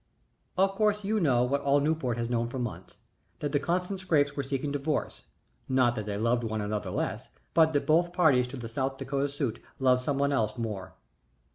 Of course you know what all Newport has known for months, that the Constant Scrappes were seeking divorce, not that they loved one another less, but that both parties to the South Dakota suit loved some one else more.